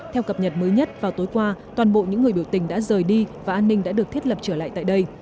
theo cập nhật mới nhất vào tối qua toàn bộ những người biểu tình đã rời đi và an ninh đã được thiết lập trở lại tại đây